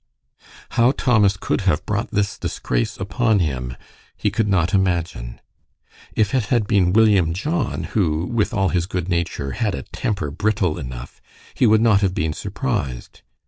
How Thomas could have brought this disgrace upon him, he could not imagine. If it had been William John, who, with all his good nature, had a temper brittle enough, he would not have been surprised.